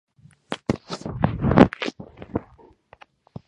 მაგრამ უფრო მნიშვნელოვან წარმატებას ადგილი შემდეგ წელს ჰქონდა.